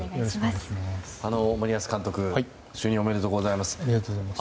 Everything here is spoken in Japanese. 森保監督就任おめでとうございます。